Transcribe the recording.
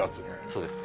そうです